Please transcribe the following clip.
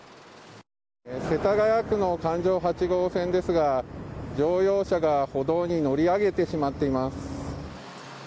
世田谷区の環状８号線ですが乗用車が歩道に乗り上げてしまっています。